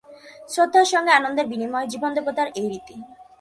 শ্রদ্ধার সঙ্গে আনন্দের বিনিময়, জীবনদেবতার এই রীতি।